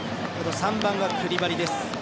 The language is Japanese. ３番がクリバリです。